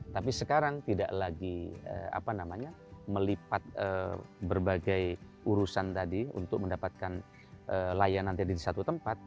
tapi sekarang tidak lagi melipat berbagai urusan tadi untuk mendapatkan layanan tadi di satu tempat